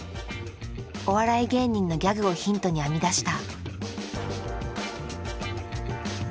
お笑い芸人のギャグをヒントに編み出した。